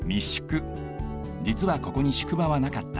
じつはここに宿場はなかった。